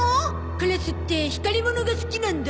カラスって光りものが好きなんだ。